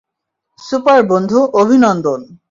Super, বন্ধু, অভিনন্দন!